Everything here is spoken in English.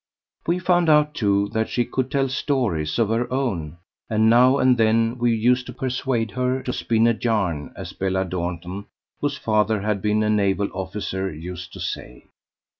We found out too that she could tell stories of her own; and now and then we used to persuade her to "spin a yarn," as Bella Dornton, whose father had been a naval officer, used to say.